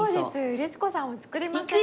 律子さんも作りません？